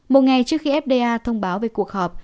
một ngày trước khi fda thông báo về cuộc họp